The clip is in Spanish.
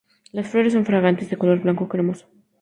Las flores son fragantes, de color blanco cremoso.